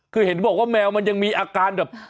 คือเห็นบอกว่าแมวมันยังมีอาการแบบ